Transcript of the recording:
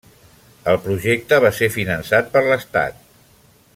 El projecte va ser finançat per l'Estat.